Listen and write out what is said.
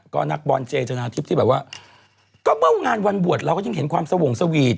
ก็นักบอลเจชนะทิพย์ที่แบบว่าก็เมื่องานวันบวชเราก็ยังเห็นความสวงสวีท